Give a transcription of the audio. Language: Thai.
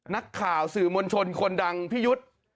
นักข่าวสื่อมวลชนคนดังพี่ยุทธ์